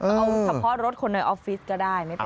เอาขับพอร์ตรถคนในออฟฟิศก็ได้ไม่เป็นไร